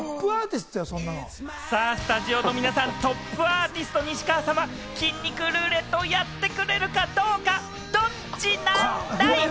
スタジオの皆さん、トップアーティスト・西川さんは筋肉ルーレット、やってくれるかどうか、ドッチなんだい？